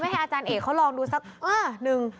ให้อาจารย์เอกเขาลองดูสักหนึ่ง